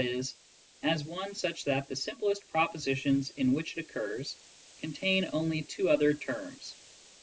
e,, as one such that the simplest proposi tions in which it occurs contain only two other terms.